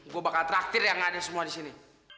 gue bakal traktir yang ada semua di sini